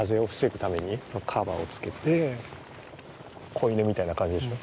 子犬みたいな感じでしょ。